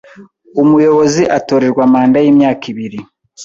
Umuyobozi atorerwa manda yimyaka ibiri.